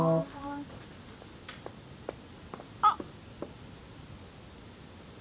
「あっ！」